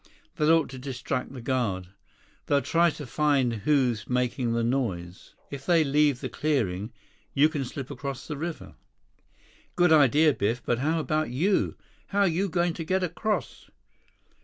That ought to distract the guard. They'll try to find who's making the noise. If they leave the clearing, you can slip across the river." "Good idea, Biff. But how about you? How you going to get across?"